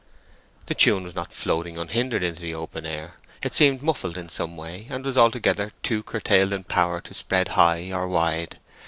The tune was not floating unhindered into the open air: it seemed muffled in some way, and was altogether too curtailed in power to spread high or wide.